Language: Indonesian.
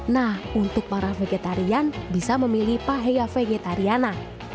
nah untuk para vegetarian bisa memilih pahea vegetariana